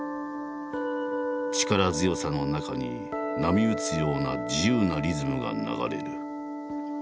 力強さの中に波打つような自由なリズムが流れる。